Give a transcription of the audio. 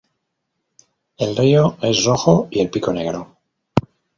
El iris es rojo y el pico negro.